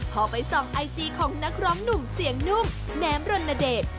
พอไปส่องไอจีของนักร้องหนุ่มเสียงนุ่มแนมรณเดช